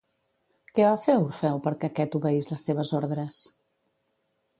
Què va fer Orfeu perquè aquest obeís les seves ordres?